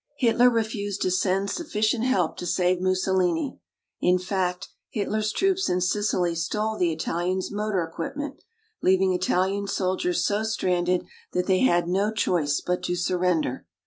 Hitler refused to send sufficient help to save Mussolini. In fact, Hitler's troops in Sicily stole the Italians' motor equipment, leaving Italian soldiers so stranded that they had no choice but to surrender.